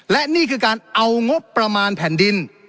และนี่คือการเอางบประมาณแผ่นดิน